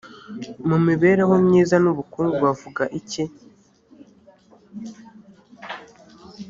mu mibereho myiza n ubukungu bavuga iki